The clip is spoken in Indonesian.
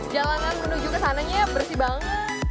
jalanan menuju ke sananya bersih banget